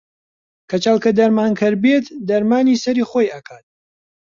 کەچەڵ کە دەرمانکەر بێت دەرمانی سەری خۆی ئەکات